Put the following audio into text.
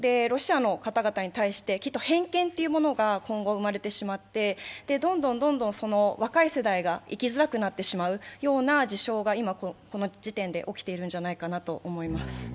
ロシアの方々に対してきっと偏見が今後、生まれてしまって、どんどん若い世代が生きづらくなってしまうような事象が今、この時点で起きているんじゃないかなと思います。